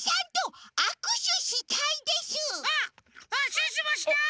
シュッシュもしたい！